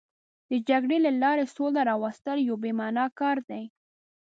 د جګړې له لارې سوله راوستل یو بې معنا کار دی.